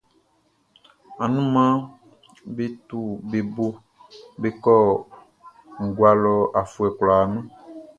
Anunmanʼm be tu be bo be kɔ ngua lɔ afuɛ kwlaa nun.